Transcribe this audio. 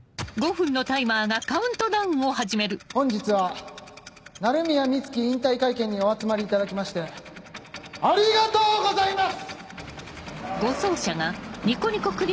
本日は鳴宮美月引退会見にお集まりいただきましてありがとうございます！